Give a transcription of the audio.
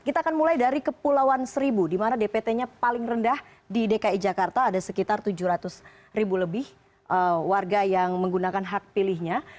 kita akan mulai dari kepulauan seribu di mana dpt nya paling rendah di dki jakarta ada sekitar tujuh ratus ribu lebih warga yang menggunakan hak pilihnya